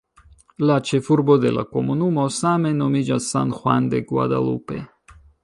La ĉefurbo de la komunumo same nomiĝas "San Juan de Guadalupe".